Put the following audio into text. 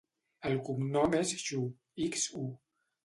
El cognom és Xu: ics, u.